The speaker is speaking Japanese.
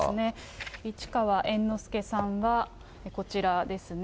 市川猿之助さんがこちらですね。